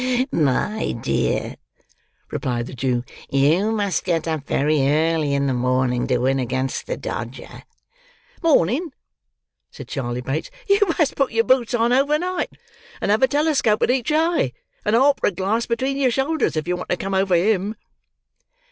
"Ha! ha! my dear," replied the Jew, "you must get up very early in the morning, to win against the Dodger." "Morning!" said Charley Bates; "you must put your boots on over night, and have a telescope at each eye, and a opera glass between your shoulders, if you want to come over him."